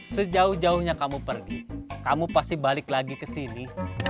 sejauh jauhnya kamu pergi kamu pasti balik lagi ke sini